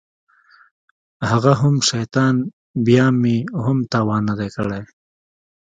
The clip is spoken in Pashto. هغه هم شيطان بيا مې هم تاوان نه دى کړى.